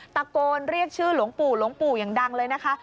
ตะโกนเรียกชื่อหลวงปู่หลวงปู่อย่างดังเลยนะคะ